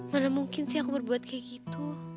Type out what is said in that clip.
mana mungkin sih aku berbuat kayak gitu